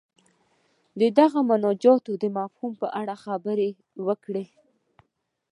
د دغه مناجات د مفهوم په اړه خبرې وکړي.